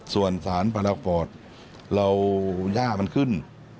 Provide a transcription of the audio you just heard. ส่วนสารพาราฟอร์ตเราย่ามันขึ้น